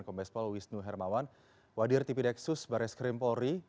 kompespol wisnu hermawan wadir tp dexus baris krim polri